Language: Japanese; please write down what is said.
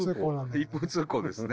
一方通行ですね。